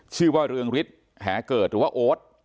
ชื่อว่าเรืองฤทธิ์แหเกิดหรือว่าโอ๊ต